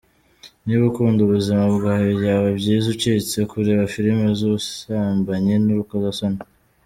Niba ukunda ubuzima bwawe, byaba byiza ucitse kureba filimi z’ubusambanyi n’urukozasoni.